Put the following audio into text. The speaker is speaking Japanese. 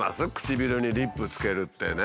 唇にリップつけるってね